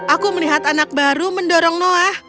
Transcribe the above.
aku melihat anak baru mendorong noah